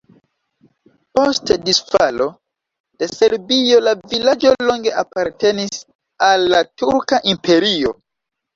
Post disfalo de Serbio la vilaĝo longe apartenis al la Turka Imperio.